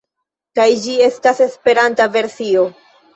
Kaj ĝi estas Esperanta versio.